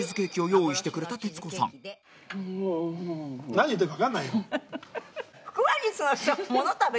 何言ってるかわからないよ！